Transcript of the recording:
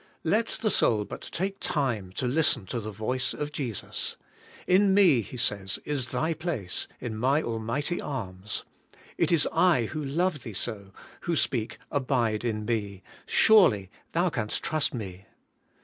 Let the soul but take time to listen to the voice of Jesus. 'In me^^ He says, 'is thy place, — in my almighty arms. It is I who love thee so, who speak Abide in me; surely thou canst trust me.'